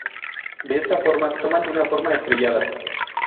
De esta forma toman una forma estrellada.